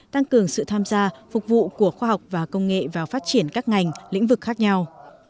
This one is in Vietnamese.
tăng cường sự tham gia phục vụ của khoa học và công nghệ vào phát triển các ngành lĩnh vực khác nhau